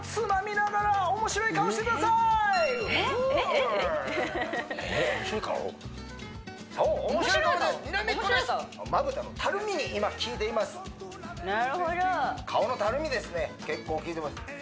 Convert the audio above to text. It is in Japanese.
まぶたのたるみに今きいています